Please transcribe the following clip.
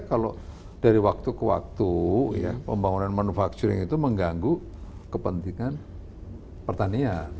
kalau dari waktu ke waktu pembangunan manufacturing itu mengganggu kepentingan pertanian